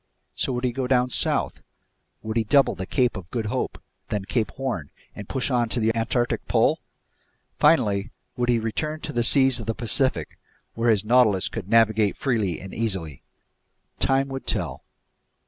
So would he go down south? Would he double the Cape of Good Hope, then Cape Horn, and push on to the Antarctic pole? Finally, would he return to the seas of the Pacific, where his Nautilus could navigate freely and easily? Time would tell.